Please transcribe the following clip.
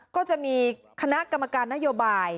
ก็จะมีคณะกรรมการนโยบาย